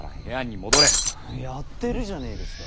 やってるじゃねえですか。